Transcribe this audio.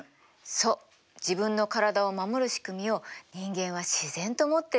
そう自分の体を守る仕組みを人間は自然と持ってるのよ。